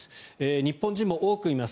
日本人も多くいます。